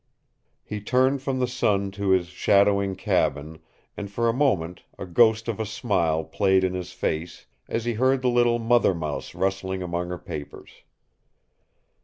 He turned from the sun to his shadowing cabin, and for a moment a ghost of a smile played in his face as he heard the little mother mouse rustling among her papers.